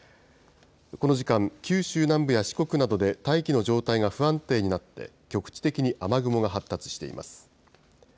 この時間、九州南部や四国などで大気の状態が不安定になって、局地的に雨雲が発達しています。